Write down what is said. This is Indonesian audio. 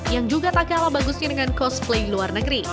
yang juga tak kalah bagusnya dengan cosplay luar negeri